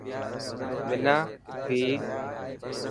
منا ڀهي.